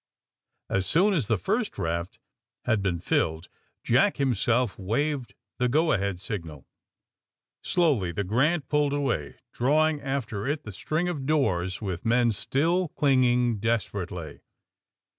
As soon as the first raft had been filled Jack himself waved the go ahead signal. Slowly the *^ Grant" pulled away, drawing after it the string of doors with men still cling ing desperately.